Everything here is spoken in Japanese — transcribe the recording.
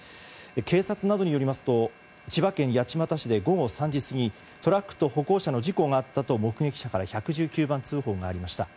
警察などによりますと千葉県八街市で午後３時過ぎトラックと歩行者の事故があったと目撃者から１１９番通報がありました。